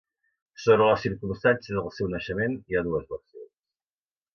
Sobre les circumstàncies del seu naixement hi ha dues versions.